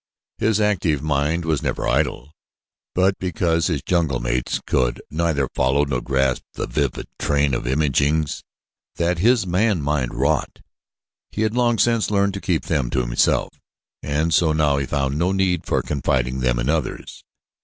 His active mind was never idle, but because his jungle mates could neither follow nor grasp the vivid train of imaginings that his man mind wrought, he had long since learned to keep them to himself; and so now he found no need for confiding them in others.